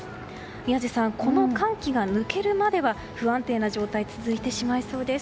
宮司さん、この寒気が抜けるまでは、不安定な状態続いてしまいそうです。